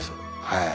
はい。